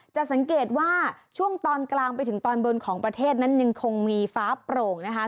จะสังเกตว่าช่วงตอนกลางไปถึงตอนบนของประเทศนั้นยังคงมีฟ้าโปร่งนะคะ